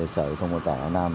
sở công an toàn hà nam